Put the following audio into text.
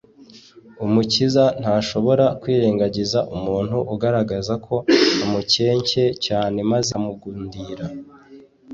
Umukiza ntashobora kwirengagiza umuntu ugaragaza ko amukencye cyane maze akamugundira.